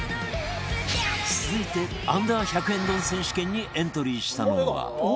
続いて Ｕ−１００ 円丼選手権にエントリーしたのは